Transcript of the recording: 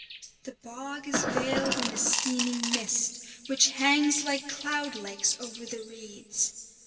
The bog is veiled in a steaming mist, which hangs like cloud lakes over the reeds.